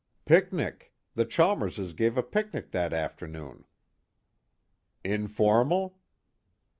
"Picnic. The Chalmerses gave a picnic that afternoon." "Informal?"